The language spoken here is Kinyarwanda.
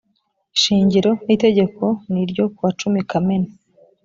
shingiro n itegeko n ryo kuwacumi kamena